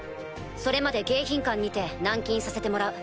それまで迎賓館にて軟禁させてもらう。